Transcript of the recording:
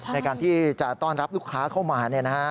ในการที่จะต้อนรับลูกค้าเข้ามา